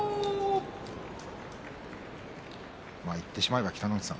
言ってしまえば、北の富士さん